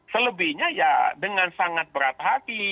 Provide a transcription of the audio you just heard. selebihnya ya dengan sangat berat hati